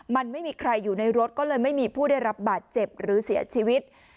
มันไม่มีใครอยู่ในรถก็เลยไม่มีผู้ได้รับบาดเจ็บหรือเสียชีวิต